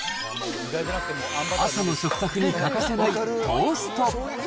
朝の食卓に欠かせないトースト。